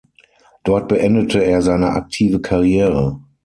Dort beendete er seine aktive Karriere.